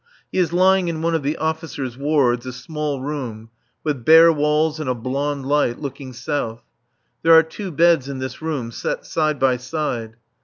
He is lying in one of the officers' wards, a small room, with bare walls and a blond light, looking south. There are two beds in this room, set side by side.